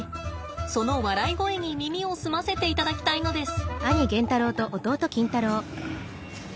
その笑い声に耳を澄ませていただきたいのです。